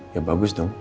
ya bagus dong